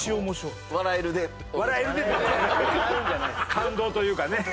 感動というかね。